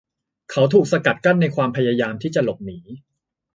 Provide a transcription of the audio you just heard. เขาถูกสกัดกั้นในความพยายามที่จะหลบหนี